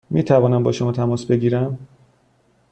می توانم با شما تماس بگیرم؟